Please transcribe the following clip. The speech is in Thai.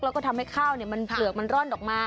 แล้วก็ทำให้ข้าวเปลือกมันร่อนออกมา